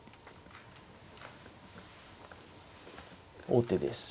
王手です。